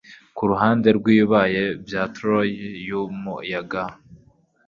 Kuruhande rwibibaya bya Troy yumuyaga.